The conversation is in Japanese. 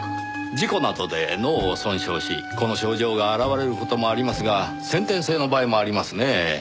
事故などで脳を損傷しこの症状が表れる事もありますが先天性の場合もありますねぇ。